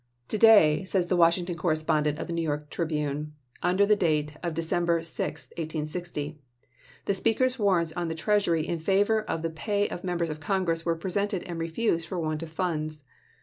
" To day," says the Washington correspondent of the New York " Tribune," under date of December 6, 1860, "the Speaker's warrants on the treasury in favor of the pay of Members of Congress were presented and refused for a want of funds."